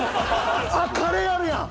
あっカレーあるやん！